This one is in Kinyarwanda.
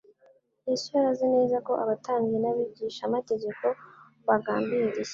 Yesu yari azi neza ko abatambyi n’abigishamategeko bagambiriye